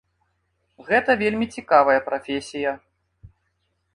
Гэта вельмі цікавая прафесія.